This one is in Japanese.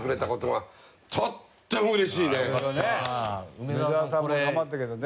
梅沢さんも頑張ったけどね。